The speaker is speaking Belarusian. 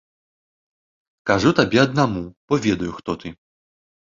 Кажу табе аднаму, бо ведаю, хто ты.